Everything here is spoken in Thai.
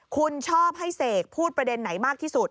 คุณชอบให้เสกพูดประเด็นไหนมากที่สุด